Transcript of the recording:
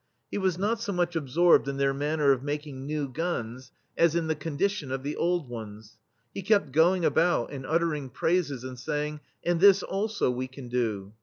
He was not so much absorbed in their manner of making new guns as in the condi tion of the old ones. He kept going about and uttering praises, and saying : "And this, also, we can do."